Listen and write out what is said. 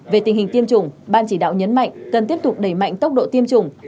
về tình hình tiêm chủng ban chỉ đạo nhấn mạnh cần tiếp tục đẩy mạnh tốc độ tiêm chủng